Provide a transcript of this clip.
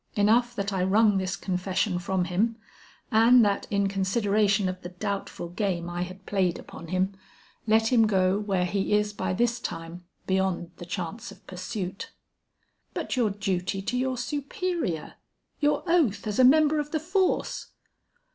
Enough that I wrung this confession from him, and that in consideration of the doubtful game I had played upon him, let him go where he is by this time beyond the chance of pursuit." "But your duty to your superior; your oath as a member of the force?"